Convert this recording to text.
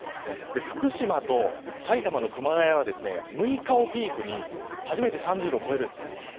福島と埼玉の熊谷は６日をピークに初めて３０度を超える。